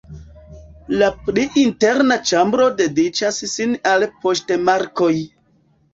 La pli interna ĉambro dediĉas sin al poŝtmarkoj.